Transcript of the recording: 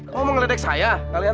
kamu mau ledek saya